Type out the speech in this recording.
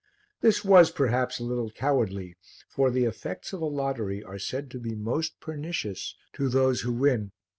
This was perhaps a little cowardly, for the effects of a lottery are said to be most pernicious to those who win.